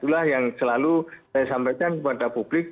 itulah yang selalu saya sampaikan kepada publik